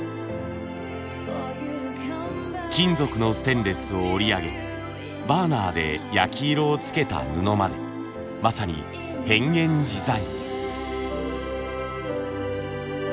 金属のステンレスを織り上げバーナーで焼き色をつけた布までまさに変幻自在。